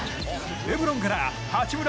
レブロンから八村